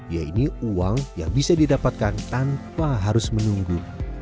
yaitu uang yang bisa didapatkan tanpa harus menunggu